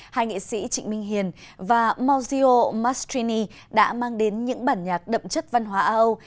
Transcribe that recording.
hai nghệ sĩ trịnh minh hiền và maurizio mastrini đã mang đến những bản nhạc đậm chất văn hóa âu